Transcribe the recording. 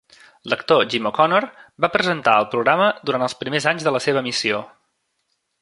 L'actor Jim O'Connor va presentar el programa durant els primers anys de la seva emissió.